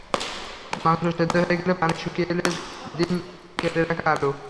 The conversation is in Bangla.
মাংস সেদ্ধ হয়ে পানি শুকিয়ে এলে দিয়ে দিন কেটে রাখা আলু।